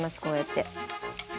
こうやって。